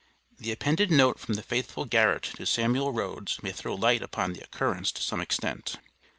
The appended note from the faithful Garrett to Samuel Rhoads, may throw light upon the occurrence to some extent.